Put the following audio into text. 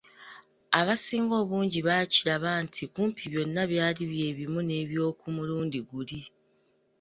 Abasinga obungi baakiraba nti kumpi byonna byali bye bimu n’eby'oku mulundi guli.